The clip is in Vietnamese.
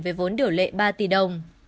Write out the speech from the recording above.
với vốn điều lệ ba tỷ đồng